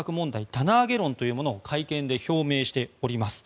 棚上げ論というものを会見で表明しております。